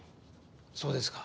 そうですか。